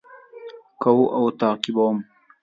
قواوو تعقیبولم.